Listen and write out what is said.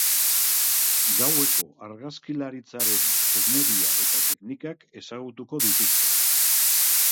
Gaueko argazkilaritzaren tresneria eta teknikak ezagutuko dituzte.